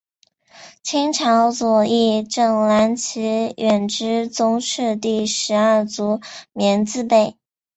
清朝左翼正蓝旗远支宗室第十二族绵字辈。